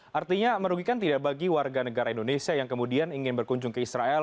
artinya merugikan tidak bagi warga negara indonesia yang kemudian ingin berkunjung ke israel